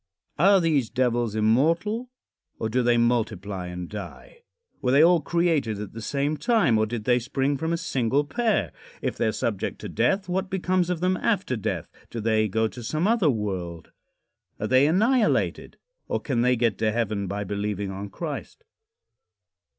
Are these devils immortal or do they multiply and die? Were they all created at the same time or did they spring from a single pair? If they are subject to death what becomes of them after death? Do they go to some other world, are they annihilated, or can they get to heaven by believing on Christ?